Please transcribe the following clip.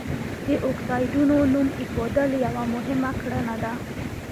د اکسایډونو نوم ایښودل یوه مهمه کړنه ده.